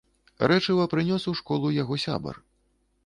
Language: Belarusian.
Рэчыва прынёс у школу яго сябар.